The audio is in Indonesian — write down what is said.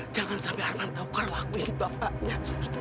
jangan sampai akan tahu kalau aku ini bapaknya